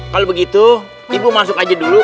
kalau begitu ibu masuk aja dulu